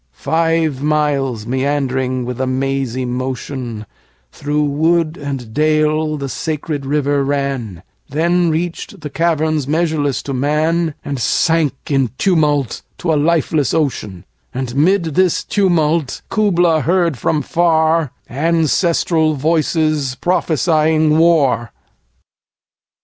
Five miles meandering with a mazy motionThrough wood and dale the sacred river ran, Then reached the caverns measureless to man, And sank in tumult to a lifeless ocean:And 'mid this tumult Kubla heard from farAncestral voices prophesying war!